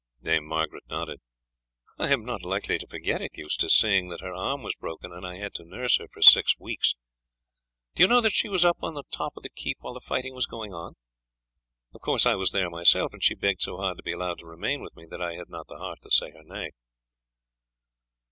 Dame Margaret nodded. "I am not likely to forget it, Eustace, seeing that her arm was broken and I had to nurse her for six weeks. Do you know that she was up on the top of the keep while the fighting was going on? Of course I was there myself, and she begged so hard to be allowed to remain with me that I had not the heart to say her nay."